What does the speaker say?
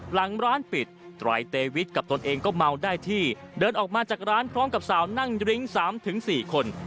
หลังร้านปิดไตรเตวิทกับตนเองก็เมาได้ที่เดินออกมาจากร้านพร้อมกับสาวนั่งดริ้ง๓๔คน